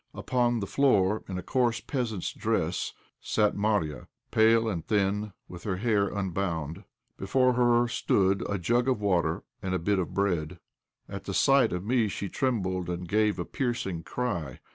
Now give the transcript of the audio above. Upon the floor, in a coarse peasant's dress, sat Marya, pale and thin, with her hair unbound. Before her stood a jug of water and a bit of bread. At the sight of me she trembled and gave a piercing cry.